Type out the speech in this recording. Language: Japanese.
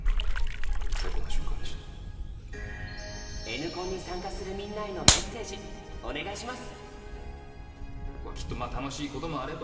「Ｎコン」に参加するみんなへのメッセージお願いします！